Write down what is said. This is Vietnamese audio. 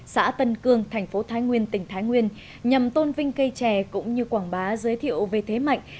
xã tân cương thành phố thái nguyên tỉnh thái nguyên nhằm tôn vinh cây trẻ cũng như quảng bá giới thiệu về thế mạnh